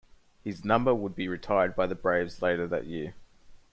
His number would be retired by the Braves later that year.